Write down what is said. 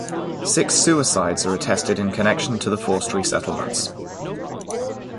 Six suicides are attested in connection to the forced resettlements.